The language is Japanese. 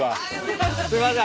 すいません。